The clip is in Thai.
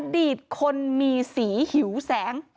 ดีตคนมีสีหิวแสง